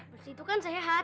bersih itu kan sehat